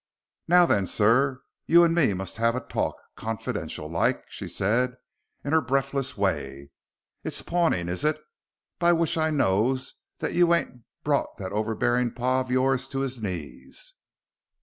"Now then, sir, you and me must have a talk, confidential like," said she in her breathless way. "It's pawning is it? By which I knows that you ain't brought that overbearing pa of yours to his knees."